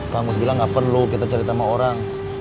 kang mus bilang nggak perlu kita cari tambahan orang